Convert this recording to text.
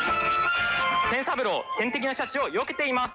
ペン三郎天敵のシャチをよけています。